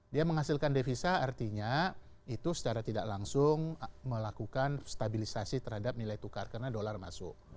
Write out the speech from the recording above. dia menghasilkan devisa artinya itu secara tidak langsung melakukan stabilisasi terhadap nilai tukar karena dolar masuk